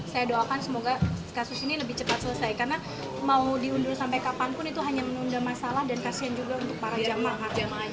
saya doakan semoga kasus ini lebih cepat selesai karena mau diundur sampai kapanpun itu hanya menunda masalah dan kasihan juga untuk para jamaah